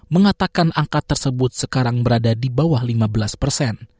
mengatakan angka tersebut sekarang berada di bawah lima belas persen